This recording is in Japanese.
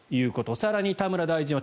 更に田村大臣は